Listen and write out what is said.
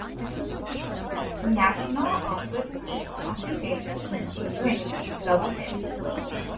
National also tried a coffee-based energy drink, Double Hit.